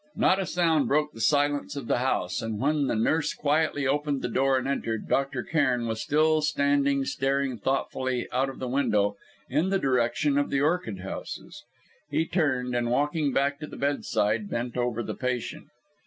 Not a sound broke the silence of the house; and when the nurse quietly opened the door and entered, Dr. Cairn was still standing staring thoughtfully out of the window in the direction of the orchid houses. He turned, and walking back to the bedside, bent over the patient.